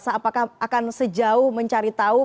apakah akan sejauh mencari tahu